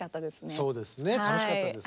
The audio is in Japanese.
そうですね楽しかったです。